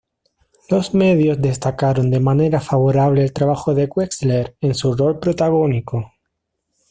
Los medios destacaron de manera favorable el trabajo de Wexler en su rol protagónico.